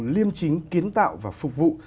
liêm chính kiến tạo và phục vụ